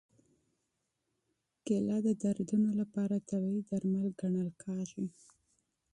کېله د دردونو لپاره طبیعي درمل ګڼل کېږي.